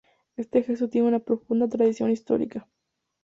Este gesto tiene una profunda tradición histórica.